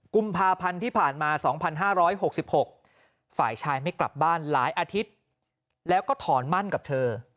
กุมภาพันธ์ที่ผ่านมา๒๕๖๖ฝ่ายชายไม่กลับบ้านหลายอาทิตย์แล้วก็ถอนมั่นกับเธอ